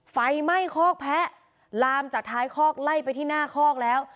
ไฟไหม้คอกแพะลามจากท้ายคอกไล่ไปที่หน้าคอกแล้ว